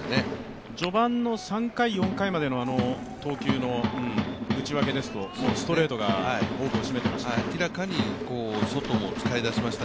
序盤の３回、４回までの投球の打ち分けですとストレートが多くを占めていました。